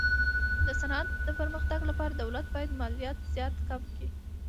د صنعت د پرمختګ لپاره دولت باید مالیات زیات کم کي.